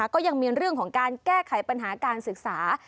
ก็ยังมีเรื่องของการแก้ไขปัญหาการศึกษา